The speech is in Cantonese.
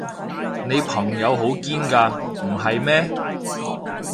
你朋友好堅㗎，唔係咩？